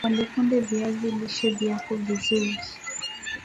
ukipondeponde viazi lishe vyako vizuri